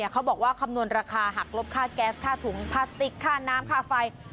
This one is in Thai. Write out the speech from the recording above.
เขาบอกว่าคำนวณราคาหักลบค่าแก๊สค่าถุงพลาสติกค่าน้ำค่าไฟ